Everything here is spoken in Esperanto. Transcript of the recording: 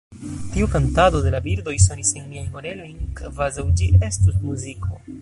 Tiu kantado de la birdoj sonis en miajn orelojn, kvazaŭ ĝi estus muziko.